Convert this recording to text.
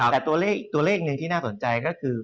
แต่ตัวเลขหนึ่งที่น่าสนใจก็คือ